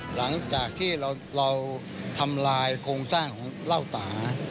หลังจากที่เราทำลายโครงสร้างของเหล้าตา